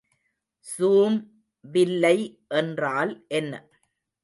Zoom வில்லை என்றால் என்ன?